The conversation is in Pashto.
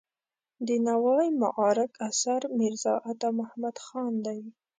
د نوای معارک اثر میرزا عطا محمد خان دی.